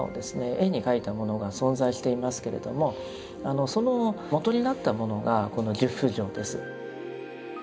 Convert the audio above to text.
絵に描いたものが存在していますけれどもその元になったものがこの十不浄です。